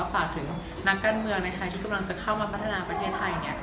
ฝากถึงนักการเมืองในไทยที่กำลังจะเข้ามาพัฒนาประเทศไทย